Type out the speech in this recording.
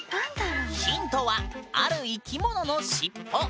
ヒントはある生き物のしっぽ。